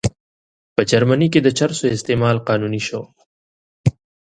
په جرمني کې د چرسو استعمال قانوني شو.